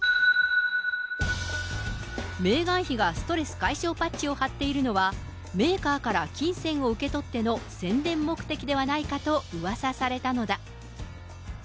メーガン妃がストレス解消パッチを貼っているのは、メーカーから金銭を受け取っての宣伝目的ではないかとうわさされたのだ。